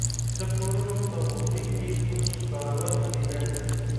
د کورونو په غولي کې بوس کارول کېدل